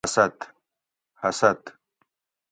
حسد